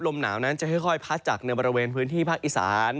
ลมหนาวนั้นจะค่อยพัดจากในบริเวณพื้นที่ภาคอีสาน